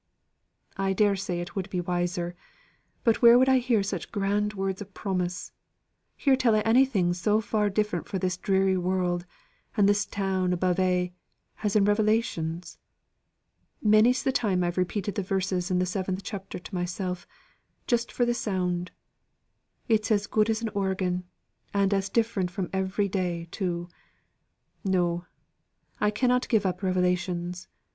"I dare say it would be wiser; but where would I hear such grand words of promise hear tell o' anything so far different fro' this dreary world, and this town above a' as in Revelations? Many's the time I've repeated the verses in the seventh chapter to myself, just for the sound. It's as good as an organ, and as different from every day, too. No, I cannot give up Revelations.